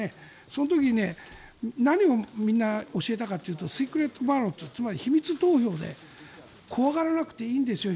その時に何をみんな教えたかというとシークレット・バロットつまり秘密投票で怖がらなくていいんですよ